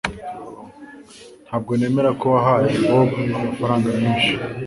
Ntabwo nemera ko wahaye Bobo amafaranga menshi